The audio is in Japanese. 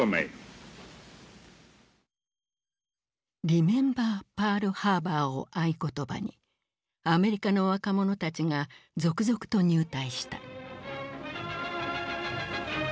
「リメンバー・パールハーバー」を合言葉にアメリカの若者たちが続々と入隊した。